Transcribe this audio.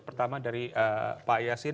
pertama dari pak yasin